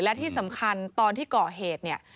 และที่สำคัญตอนที่ก่อเหตุเนี่ย